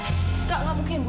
nggak mungkin bu